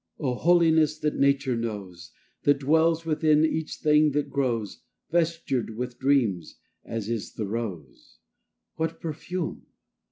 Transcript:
Oh, holiness that Nature knows, That dwells within each thing that grows, Vestured with dreams, as is the rose With perfume!